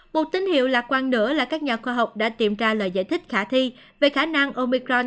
một tín hiệu lạc quan nữa là các nhà khoa học đã tìm ra lời giải thích khả thi về khả năng omicron